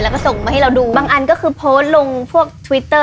แล้วก็ส่งมาให้เราดูบางอันก็คือโพสต์ลงพวกทวิตเตอร์